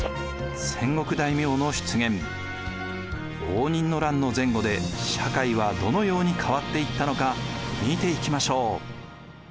応仁の乱の前後で社会はどのように変わっていったのか見ていきましょう。